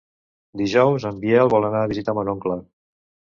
Dijous en Biel vol anar a visitar mon oncle.